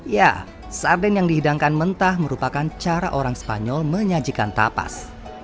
ya sarden yang dihidangkan mentah merupakan cara orang spanyol menyajikan tapas